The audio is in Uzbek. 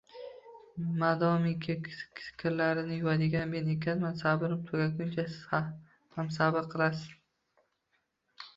Modomiki, kirlarini yuvadigan men ekanman, sabrim tugaguncha siz ham sabr qilasiz.